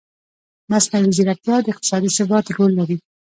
مصنوعي ځیرکتیا د اقتصادي ثبات رول لري.